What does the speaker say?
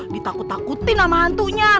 ditakut takutin sama hantunya